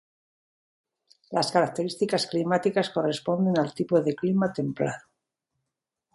Las características climáticas corresponden al tipo de clima templado.